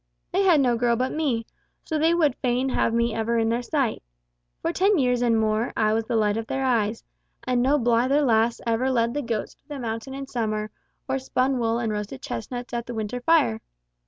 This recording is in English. They had no girl but me, so they would fain have me ever in their sight. For ten years and more I was the light of their eyes; and no blither lass ever led the goats to the mountain in summer, or spun wool and roasted chestnuts at the winter fire.